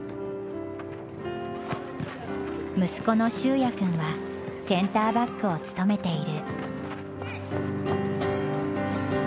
息子の修也くんはセンターバックを務めている。